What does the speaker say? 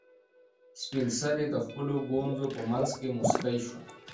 سپین سرې د خپلو ګونځو په منځ کې موسکۍ شوه.